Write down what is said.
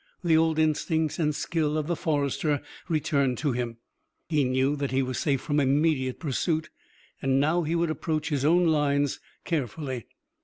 The old instincts and skill of the forester returned to him. He knew that he was safe from immediate pursuit and now he would approach his own lines carefully.